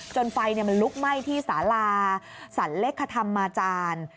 ไฟมันลุกไหม้ที่สาลาสรรเล็กขธรรมาจารย์